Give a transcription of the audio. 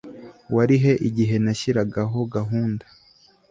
wari he igihe nashyiragaho gahunda